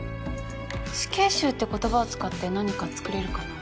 死刑囚って言葉を使って何か作れるかな？